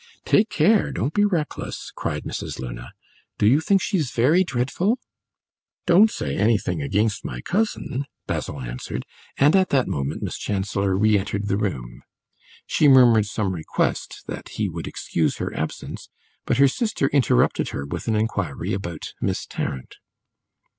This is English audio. "Take care don't be reckless!" cried Mrs. Luna. "Do you think she is very dreadful?" "Don't say anything against my cousin," Basil answered; and at that moment Miss Chancellor re entered the room. She murmured some request that he would excuse her absence, but her sister interrupted her with an inquiry about Miss Tarrant.